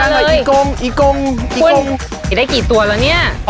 นนนท์จานกับอีกกงหลินด้วยคือได้กี่ตัวอ่ะเนี่ย